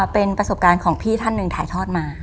เป็นประสบการณ์ของพี่ท่านหนึ่งถ่ายทอดมา